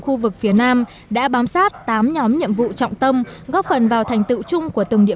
khu vực phía nam đã bám sát tám nhóm nhiệm vụ trọng tâm góp phần vào thành tựu chung của từng địa